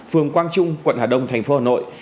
phường quang trung quận hà đông thành phố hà nội